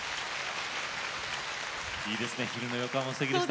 いいですね昼の横浜すてきでした。